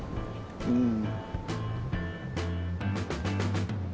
うん。